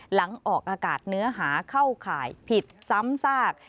หลังออกอากาศเนื้อหาเข้าข่ายผิดซ้ำซาก